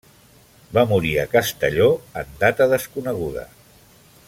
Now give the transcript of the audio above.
Va morir a Castelló en data desconeguda.